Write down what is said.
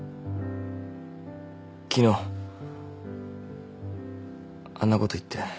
昨日あんなこと言って。